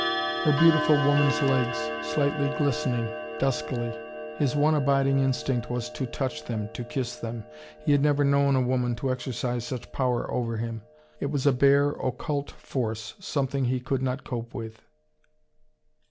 Her beautiful woman's legs, slightly glistening, duskily. His one abiding instinct was to touch them, to kiss them. He had never known a woman to exercise such power over him. It was a bare, occult force, something he could not cope with.